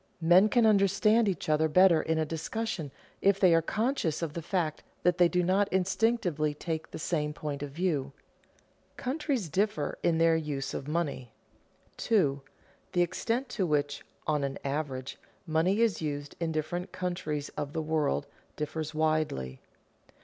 Men can understand each other better in a discussion if they are conscious of the fact that they do not instinctively take the same point of view. [Sidenote: Countries differ in their use of money] 2. _The extent to which, on an average, money is used in different countries of the world, differs widely.